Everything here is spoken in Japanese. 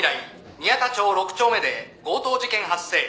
「宮田町６丁目で強盗事件発生。